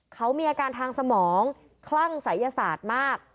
เขามีอาการทางสมองคลั่งศัยยศาสตร์มาก